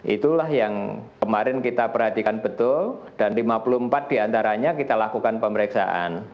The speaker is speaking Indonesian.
itulah yang kemarin kita perhatikan betul dan lima puluh empat diantaranya kita lakukan pemeriksaan